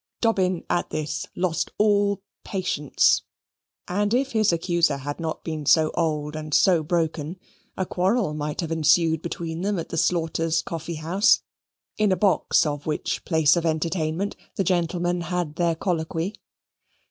Dobbin at this lost all patience, and if his accuser had not been so old and so broken, a quarrel might have ensued between them at the Slaughters' Coffee house, in a box of which place of entertainment the gentlemen had their colloquy.